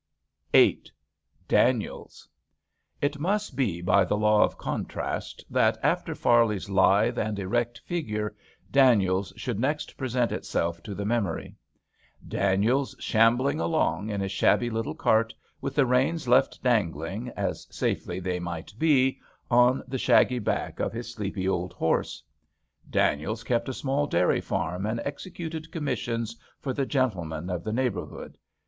S3 VIII DANIELS It must be by the law of contrast that after Farley*s lithe and erect figure, Daniels' should next present itself to the memory ; Daniels shambling along in his shabby little cart^ with the reins left dangling, as safely they might be, on the shaggy back of his sleepy old horse. Daniels kept a small dairy farm and executed commissions for the gentlemen of the neighbourhood.